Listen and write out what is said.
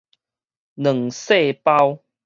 卵細胞